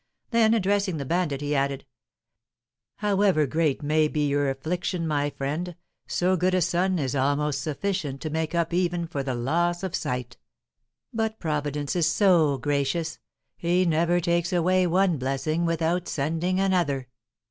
Then, addressing the bandit, he added: "However great may be your affliction, my friend, so good a son is almost sufficient to make up even for the loss of sight; but Providence is so gracious, he never takes away one blessing without sending another."